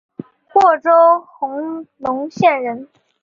虢州弘农县人。